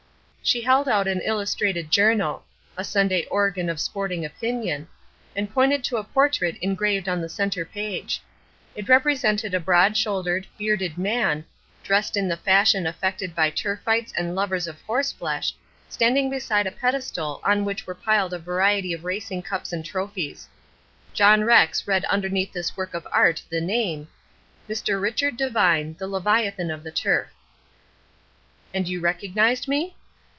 She held out an illustrated journal a Sunday organ of sporting opinion and pointed to a portrait engraved on the centre page. It represented a broad shouldered, bearded man, dressed in the fashion affected by turfites and lovers of horse flesh, standing beside a pedestal on which were piled a variety of racing cups and trophies. John Rex read underneath this work of art the name, MR. RICHARD DEVINE, THE LEVIATHAN OF THE TURF. "And you recognized me?"